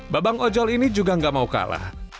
babang ojol ini juga gak mau kalah